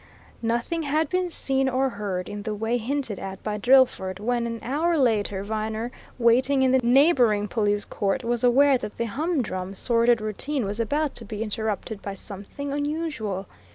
Nothing had been seen or heard, in the way hinted at by Drillford, when, an hour later, Viner, waiting in the neighbouring police court, was aware that the humdrum, sordid routine was about to be interrupted by something unusual.